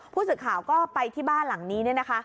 ผู้สื่อข่าวก็ไปที่บ้านหลังนี้